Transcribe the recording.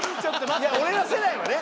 いや俺ら世代はね。